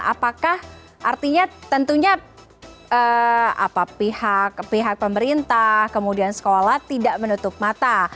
apakah artinya tentunya pihak pemerintah kemudian sekolah tidak menutup mata